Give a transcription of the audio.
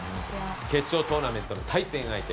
決勝トーナメントの対戦相手